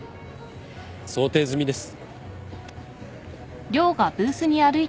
想定済みです。